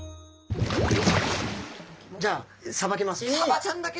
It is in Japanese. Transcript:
じゃあさばきますね。